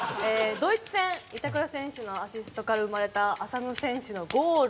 ドイツ戦板倉選手のアシストから生まれた浅野選手のゴール